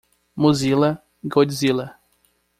Mozilla, Godzilla.